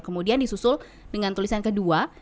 kemudian disusul dengan tulisan kedua